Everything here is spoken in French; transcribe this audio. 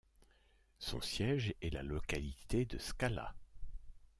Son siège est la localité de Skala.